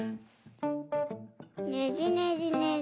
ねじねじねじ。